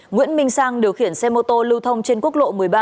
nguyễn minh sang điều khiển xe mô tô lưu thông trên quốc lộ một mươi ba